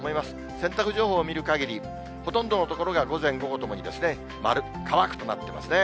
洗濯情報を見るかぎり、ほとんどの所が午前、午後ともに〇、乾くとなってますね。